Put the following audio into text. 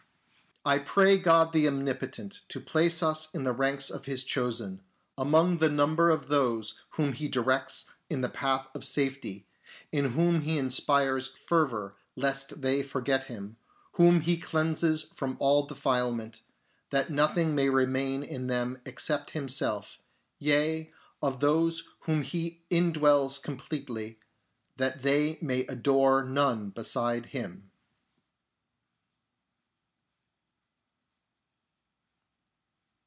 I pray God the Omnipotent to place us in the ranks of His chosen, among the number of those whom He directs in the path of safety, in whom He inspires fervour lest they forget Him ; whom He cleanses from all defilement, that nothing may remain in them except Himself ; yea, of those whom He indwells completely, that they may adore none beside Him.